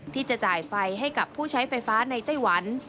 ที่จะจ่ายไฟให้กับผู้ใช้ไฟฟ้าในไต้หวัน